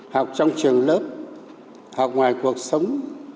học trong trường lớp học ngoài cuộc sống